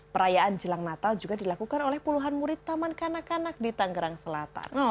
perayaan jelang natal juga dilakukan oleh puluhan murid taman kanak kanak di tanggerang selatan